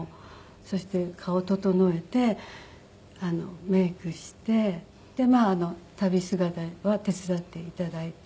そして顔整えてメイクしてで旅姿は手伝って頂いて。